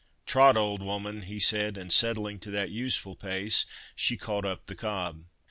"Trot, old woman!" he said, and settling to that useful pace, she caught up the cob.